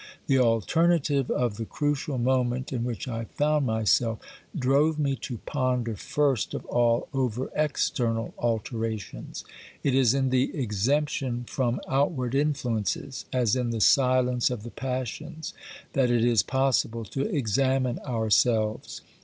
The alternative of the crucial 8 OBERMANN moment in which I found myself, drove me to ponder first of all over external alterations. It is in the exemption from outward influences, as in the silence of the passions, that it is possible to examine ourselves.